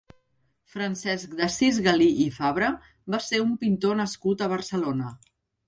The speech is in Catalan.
Francesc d'Assís Galí i Fabra va ser un pintor nascut a Barcelona.